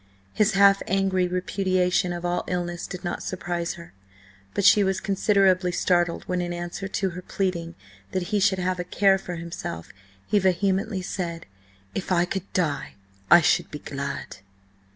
His half angry repudiation of all illness did not surprise her, but she was considerably startled when, in answer to her pleading that he should have a care for himself, he vehemently said: "If I could die, I should be glad!"